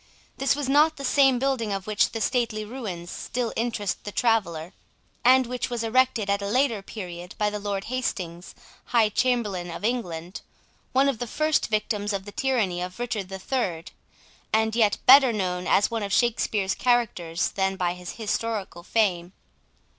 This was not the same building of which the stately ruins still interest the traveller, and which was erected at a later period by the Lord Hastings, High Chamberlain of England, one of the first victims of the tyranny of Richard the Third, and yet better known as one of Shakespeare's characters than by his historical fame.